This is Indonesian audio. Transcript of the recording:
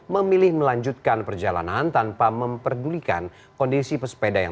memilih melanjutkan perjalanan tanpa memperdulikan kondisi pesepeda yang